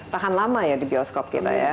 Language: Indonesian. tahan lama ya di bioskop kita ya